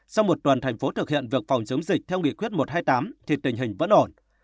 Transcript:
sau một tuần thành phố thực hiện việc phòng chống dịch theo nghị quyết một trăm hai mươi tám thì tình hình vẫn ổn